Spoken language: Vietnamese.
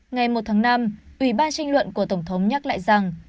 ngày một tháng năm ủy ban tranh luận của tổng thống nhắc lại rằng